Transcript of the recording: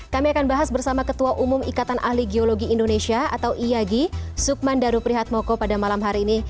kami akan bahas bersama ketua umum ikatan ahli geologi indonesia atau iagi sukman daru prihatmoko pada malam hari ini